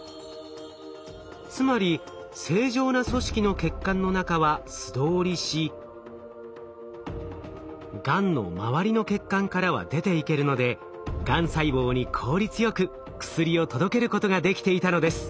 つまり正常な組織の血管の中は素通りしがんの周りの血管からは出ていけるのでがん細胞に効率よく薬を届けることができていたのです。